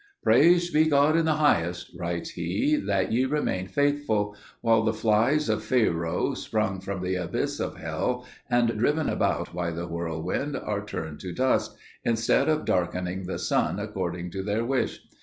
"Praised be God in the highest," writes he, "that ye remain faithful; while the flies of Pharao, sprung from the abyss of hell, and driven about by the whirlwind, are turned to dust, instead of darkening the sun according to their wish.